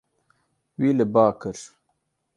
Wî li ba kir.